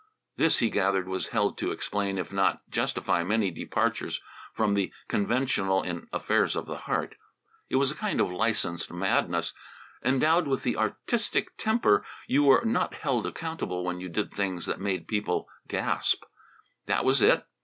This, he gathered, was held to explain, if not to justify, many departures from the conventional in affairs of the heart. It was a kind of licensed madness. Endowed with the "artistic temper," you were not held accountable when you did things that made plain people gasp. That was it!